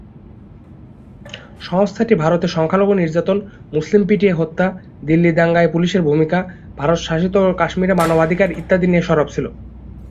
সংস্থাটি ভারতে সংখ্যা লঘু নির্যাতন, মুসলিম পিটিয়ে হত্যা, দিল্লি দাঙ্গায় পুলিশের ভূমিকা, ভারত শাসিত কাশ্মীরের মানবাধিকার ইত্যাদি নিয়ে সরব ছিল।